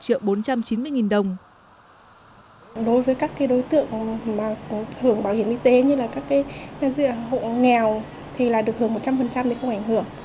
đối với các đối tượng hưởng bảo hiểm y tế như là các hộ nghèo thì là được hưởng một trăm linh thì không ảnh hưởng